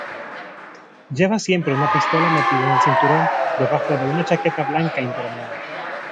Lleva siempre una pistola metida en el cinturón, debajo de una chaqueta blanca impermeable.